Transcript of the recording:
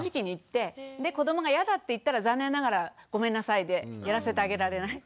で子どもが嫌だって言ったら残念ながらごめんなさいでやらせてあげられない。